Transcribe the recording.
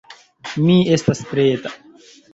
Mi estas preta...